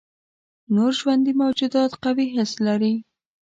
نور ژوندي موجودات قوي حس لري.